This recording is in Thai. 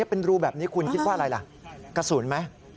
เป็นรูแบบนี้คุณคิดว่าอะไรล่ะกระสุนไหม